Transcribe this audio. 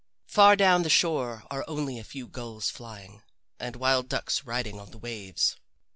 Far down the shore are only a few gulls flying, and wild ducks riding on the waves.